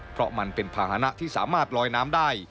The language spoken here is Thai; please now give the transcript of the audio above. เพราะมันเป็นภาษณะที่สามารถลอยน้ำได้